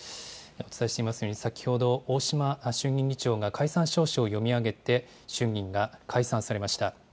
お伝えしていますように、先ほど、大島衆議院議長が解散詔書を読み上げて、衆議院が解散されました。